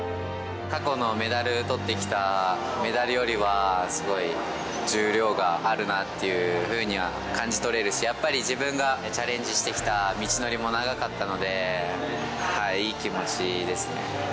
過去のメダルとってきたメダルよりは、すごい重量があるなっていうふうには感じ取れるし、やっぱり自分がチャレンジしてきた道のりも長かったので、いい気持ちですね。